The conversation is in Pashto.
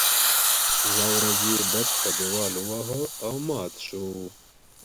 يوه ورځ یې بت په دیوال وواهه او مات شو.